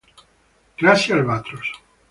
Classe Albatros